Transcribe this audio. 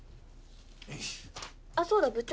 あっそうだ部長。